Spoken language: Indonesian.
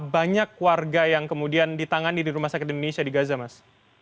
banyak warga yang kemudian ditangani di rumah sakit indonesia di gaza mas